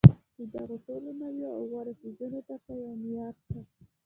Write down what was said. د دغو ټولو نویو او غوره څیزونو تر شا یو معیار شته